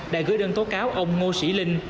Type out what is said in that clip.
đã gửi đơn tố cáo ông ngô sĩ linh